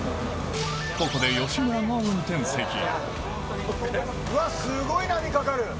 ここで吉村が運転席へうわっすごい波かかる。